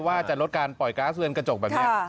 ว่าจะลดการปล่อยก๊าซเรือนกระจกแบบนี้